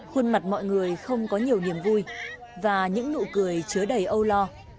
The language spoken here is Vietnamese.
khuôn mặt mọi người không có nhiều niềm vui và những nụ cười chứa đầy âu lo